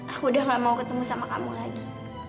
aku udah gak mau ketemu sama kamu lagi